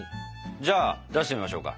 じゃあ出してみましょうか。